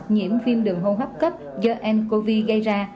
nhiễm viêm đường hô hấp cấp do ncov gây ra